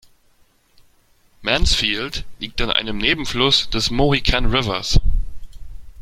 Mansfield liegt an einem Nebenfluss des Mohican Rivers.